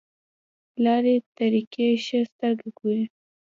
لارې طریقې ښه سترګه ګوري.